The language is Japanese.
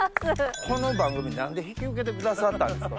この番組何で引き受けてくださったんですか？